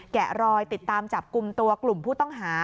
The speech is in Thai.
แกะรอยติดตามจับกลุ่มตัวกลุ่มผู้ต้องหา